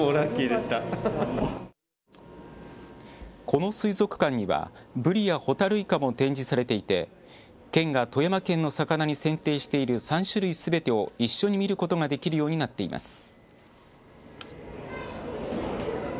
この水族館にはブリやホタルイカも展示されていて県が富山県のさかなに選定している３種類すべてを一緒に見ることができるようになっています。